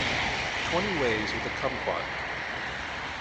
Twenty ways with a kumquat.